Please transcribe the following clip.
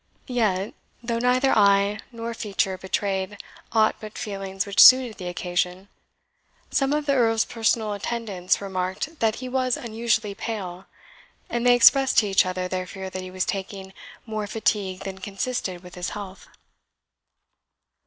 Yet, though neither eye nor feature betrayed aught but feelings which suited the occasion, some of the Earl's personal attendants remarked that he was unusually pale, and they expressed to each other their fear that he was taking more fatigue than consisted with his health.